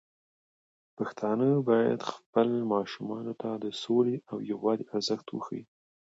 پښتانه بايد خپل ماشومان ته د سولې او يووالي ارزښت وښيي.